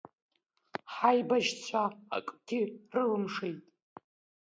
Ҳаибашьцәа акгьы рылымшеит.